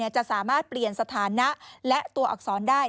จะสามารถเปลี่ยนสถานะและตัวอักษรได้